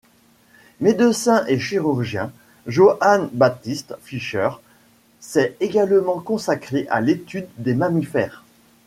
Médecin et chirurgien, Johann Baptist Fischer s'est également consacré à l'étude des mammifères.